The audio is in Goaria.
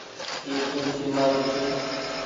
اي ٽيڻسي مآري ڇي۔